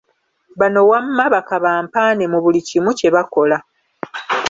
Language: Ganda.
Bano wamma ba "Kabampaane" mu buli kimu kye bakola.